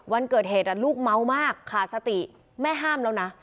วันเกิดเหตุลูกเมามากขาดสติแม่ห้ามแล้วนะ